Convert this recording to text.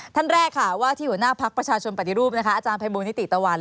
ท่านแรกค่ะว่าที่หัวหน้าพลักษณ์ประชาชนปฏิรูปอาจารย์ไพรโบนิติตะวัน